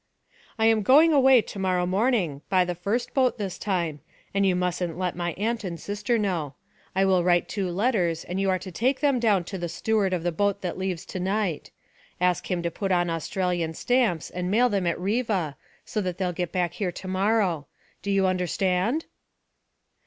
'I am going away to morrow morning by the first boat this time and you mustn't let my aunt and sister know. I will write two letters and you are to take them down to the steward of the boat that leaves to night. Ask him to put on Austrian stamps and mail them at Riva, so they'll get back here to morrow. Do you understand?'